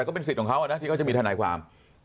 ก็เป็นสิทธิ์ของเขานะที่เขาจะมีทนายความ